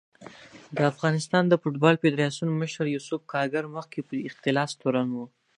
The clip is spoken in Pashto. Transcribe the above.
د افغانستان د فوټبال فدارسیون مشر یوسف کارګر مخکې په اختلاس تورن و